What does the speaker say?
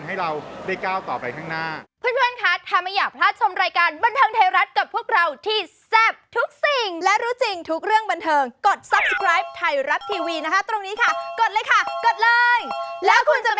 ให้เราได้ก้าวต่อไปข้างหน้า